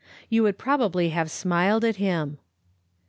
You would probably have smiled at him.